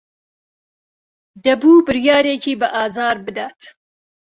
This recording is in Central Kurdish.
دەبوو بڕیارێکی بەئازار بدات.